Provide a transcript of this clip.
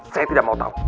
saya tidak mau tahu